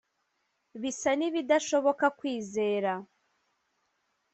bisa n'ibidashoboka kwizera